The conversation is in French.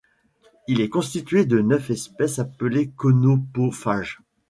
Il est constitué de neuf espèces appelées conopophage.